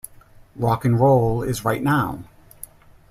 Rock'n'roll is right now.